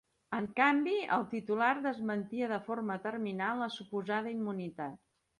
En canvi, el titular desmentia de forma terminant la suposada immunitat.